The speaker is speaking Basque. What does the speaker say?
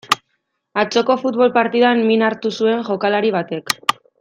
Atzoko futbol partidan min hartu zuen jokalari batek.